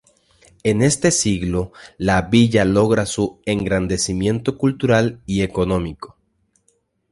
En este siglo, la villa logra su engrandecimiento cultural y económico.